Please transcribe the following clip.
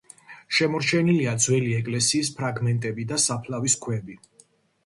შემორჩენილია ძველი ეკლესიის ფრაგმენტები და საფლავის ქვები.